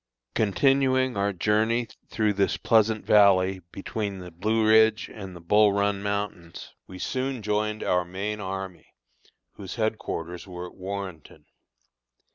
Continuing our journey through this pleasant valley between the Blue Ridge and the Bull Run mountains, we soon joined our main army, whose headquarters were at Warrenton.